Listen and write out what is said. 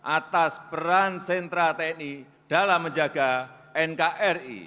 atas peran sentra tni dalam menjaga nkri